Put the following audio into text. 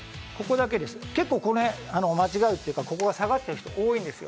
これ、間違うというか、ここが下がってる人多いんですよ。